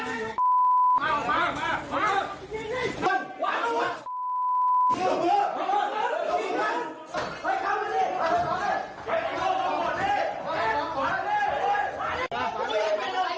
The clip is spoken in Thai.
ถ้าจำแบบเปิดใจก็คุ้มมารึยังไง